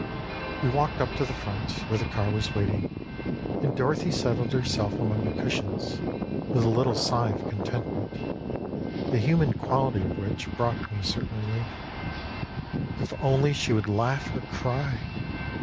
We walked up to the front, where the car was waiting, and Dorothy settled herself among the cushions with a little sigh of con tentment, the human quality of which brought me a certain relief. If only she would laugh or cry